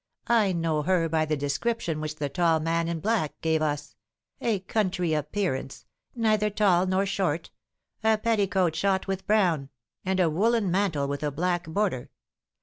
I know her by the description which the tall man in black gave us; a country appearance, neither tall nor short; a petticoat shot with brown, and a woollen mantle with a black border.